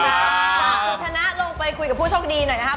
ฝากคุณชนะลงไปคุยกับผู้โชคดีหน่อยนะครับ